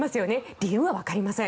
理由はわかりません。